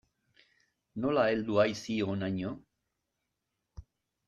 Nola heldu haiz hi honaino?